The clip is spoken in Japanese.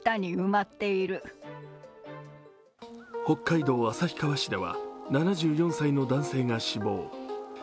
北海道旭川市では７４歳の男性が死亡。